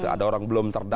ada orang belum terdata